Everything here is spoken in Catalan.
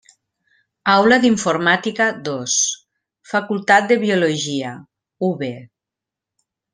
Aula d'informàtica dos Facultat de Biologia, UB.